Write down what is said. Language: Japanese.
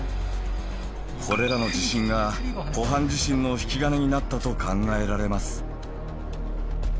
これらの地震がポハン地震の引き金になったと考えられます。